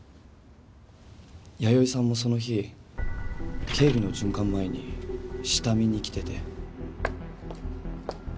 弥生さんもその日警備の巡回前に下見に来てて。